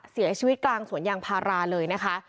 เสียชีวิตกลางสวนยางพาราเลยนะคะ